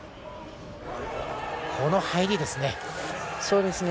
この入りですね。